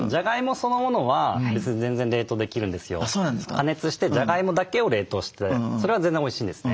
加熱してじゃがいもだけを冷凍してそれは全然おいしいんですね。